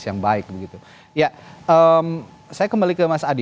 ya saya kembali ke mas adi